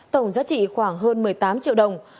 tổng giá trị khoảng hơn một mươi tám triệu đồng